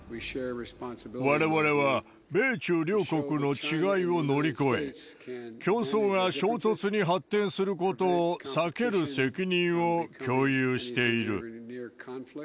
われわれは米中両国の違いを乗り越え、競争が衝突に発展することを避ける責任を共有している。